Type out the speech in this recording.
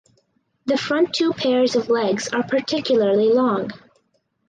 The front two pairs of legs are particularly long.